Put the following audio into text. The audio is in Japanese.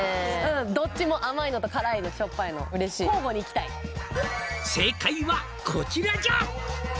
どっちも甘いのと辛いのしょっぱいの「正解はこちらじゃ」